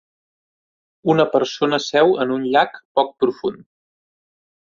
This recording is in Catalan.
Una persona seu en un llac poc profund.